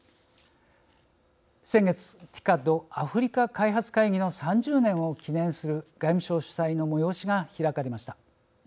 先月ＴＩＣＡＤ＝アフリカ開発会議の３０年を記念する外務省主催の催しが開かれました。